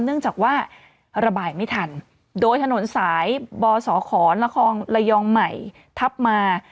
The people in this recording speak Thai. เนื่องจากว่าระบายไม่ทันโดยถนนสายบสขนครระยองใหม่ทับมา